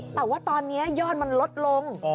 แต่ว่าตอนนี้ยอดมันลดลง